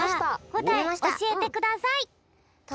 こたえおしえてください。